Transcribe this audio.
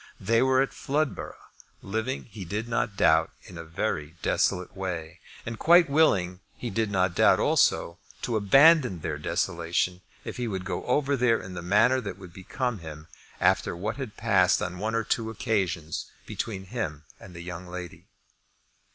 They were at Floodborough, living, he did not doubt, in a very desolate way, and quite willing, he did not doubt also, to abandon their desolation if he would go over there in the manner that would become him after what had passed on one or two occasions between him and the young lady.